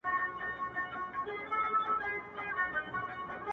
تر مخه ښې وروسته به هم تر ساعتو ولاړ وم!